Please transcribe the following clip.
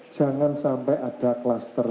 jangan sampai ada kluster